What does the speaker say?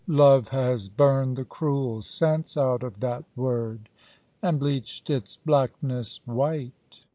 Love has burned the cruel sense out of that word, and bleached its blackness white.